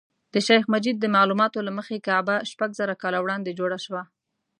د شیخ مجید د معلوماتو له مخې کعبه شپږ زره کاله وړاندې جوړه شوه.